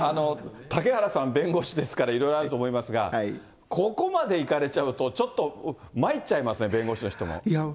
嵩原さん、弁護士ですから、いろいろあると思いますが、ここまでいかれちゃうと、ちょっとまいっちゃいますね、弁護士としても。